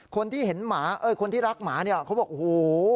คนที่เห็นหมาคนที่รักหมาเนี่ยเขาบอกโอ้โห